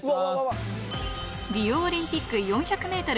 リオオリンピック４００メートル